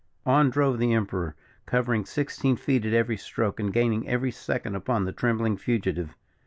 On drove the Emperor, covering sixteen feet at every stroke, and gaining every second upon the trembling fugitive.